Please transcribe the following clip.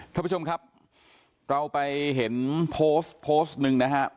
ท่านผู้ชมครับเราไปเห็นโพสต์นึง